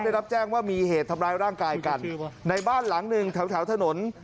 ได้รับแจ้งว่ามีเหตุทำร้ายร่างกายกันในบ้านหลังหนึ่งแถวแถวถนน